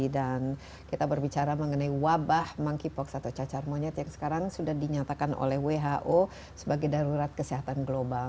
dan kita berbicara mengenai wabah monkeypox atau cacar monyet yang sekarang sudah dinyatakan oleh who sebagai darurat kesehatan global